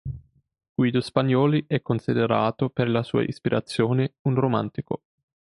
Guido Spagnoli è considerato, per la sua ispirazione, un romantico.